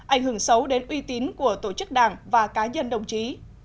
ảnh hưởng xấu đến uy tín của tổ chức đảng và cá nhân đồng chí